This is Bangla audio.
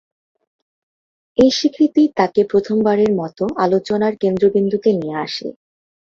এ স্বীকৃতিই তাঁকে প্রথমবারের মতো আলোচনার কেন্দ্রবিন্দুতে নিয়ে আসে।